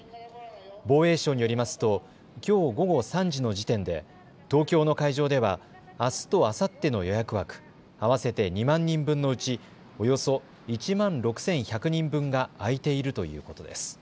防衛省によりますときょう午後３時の時点で東京の会場ではあすとあさっての予約枠合わせて２万人分のうちおよそ１万６１００人分が空いているということです。